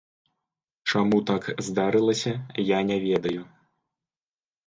Чаму так здарылася, я не ведаю.